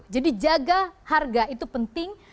jadi jaga harga itu penting